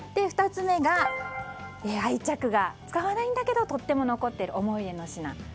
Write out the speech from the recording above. ２つ目が、愛着がある使わないんだけどとっても残っている思い出の品。